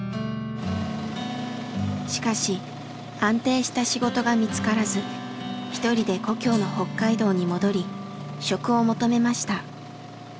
しかし安定した仕事が見つからず一人で故郷の北海道に戻り職を求めました。